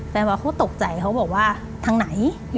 ว่าเขาตกใจเขาบอกว่าทางไหน